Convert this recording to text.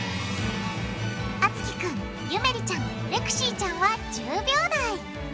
あつきくんゆめりちゃんレクシーちゃんは１０秒台。